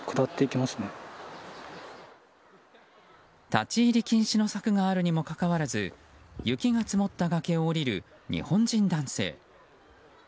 立ち入り禁止の柵があるにもかかわらず雪が積もった崖を下りる日本人男性。